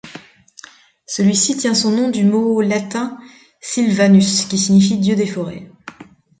Celui-ci tient son nom du mot latin Silvānus qui signifie dieu des forêts.